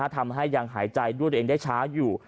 ทำให้ยังหายใจด้วยตัวเองได้ช้าอยู่